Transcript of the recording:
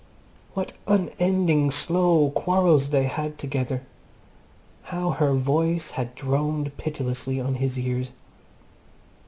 What unending, slow quarrels they had together! How her voice had droned pitilessly on his ears!